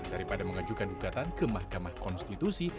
daripada mengajukan bukatan ke mahkamah konstitusi